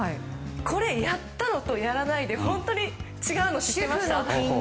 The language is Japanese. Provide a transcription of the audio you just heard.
これ、やったのとやらないのとでは本当に違うの知っていますか？